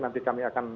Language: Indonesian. nanti kami akan